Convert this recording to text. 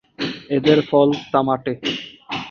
এদের ফল তামাটে।